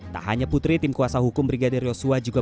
tak hanya putri tim kuasa hukum brigadir yosua juga